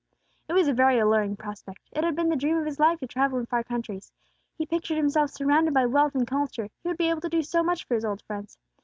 It was a very alluring prospect; it had been the dream of his life to travel in far countries. He pictured himself surrounded by wealth and culture; he would be able to do so much for his old friends.